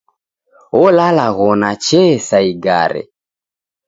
Olalaghona chee sa igare.